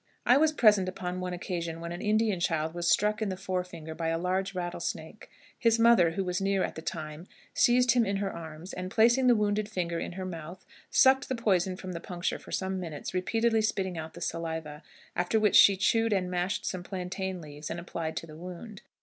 I was present upon one occasion when an Indian child was struck in the fore finger by a large rattlesnake. His mother, who was near at the time, seized him in her arms, and, placing the wounded finger in her mouth, sucked the poison from the puncture for some minutes, repeatedly spitting out the saliva; after which she chewed and mashed some plantain leaves and applied to the wound.